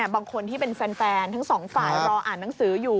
บางคนที่เป็นแฟนทั้งสองฝ่ายรออ่านหนังสืออยู่